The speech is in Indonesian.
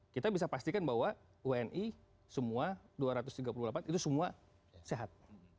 kita bisa pastikan bahwa wni semua dua ratus tiga puluh delapan itu semua sehat